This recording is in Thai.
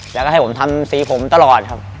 แล้วก็ให้ผมทำสีผมตลอดครับ